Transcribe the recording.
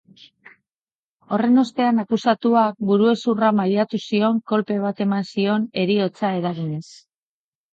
Horren ostean akusatuak buruhezurra mailatu zion kolpe bat eman zion, heriotza eraginez.